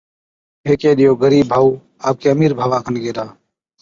ھيڪي ڏِيئو غرِيب ڀائُو آپڪي امِير ڀاوا کن گيلا